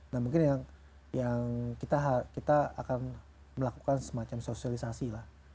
nah mungkin yang kita akan melakukan semacam sosialisasi lah